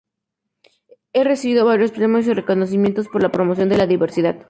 Ha recibido varios premios y reconocimientos por la promoción de la diversidad.